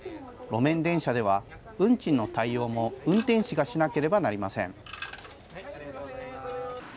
路面電車では、運賃の対応も運転士がしなければなりません。